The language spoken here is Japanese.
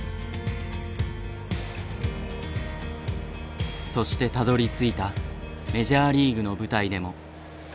そしてたどりついたメジャーリーグの舞台でも。